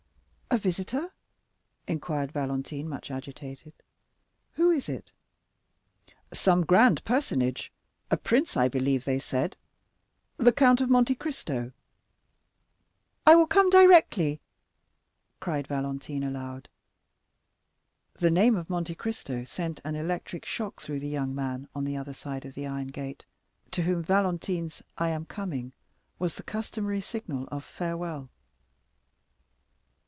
"A visitor?" inquired Valentine, much agitated; "who is it?" "Some grand personage—a prince I believe they said—the Count of Monte Cristo." "I will come directly," cried Valentine aloud. The name of Monte Cristo sent an electric shock through the young man on the other side of the iron gate, to whom Valentine's "I am coming" was the customary signal of farewell.